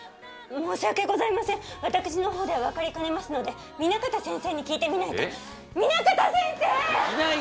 申し訳ございません、私のほうでは分かりかねますので、南方先生に聞いてみないと。